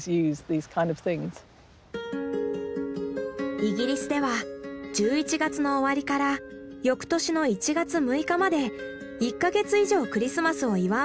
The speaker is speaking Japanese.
イギリスでは１１月の終わりから翌年の１月６日まで１か月以上クリスマスを祝うんだ。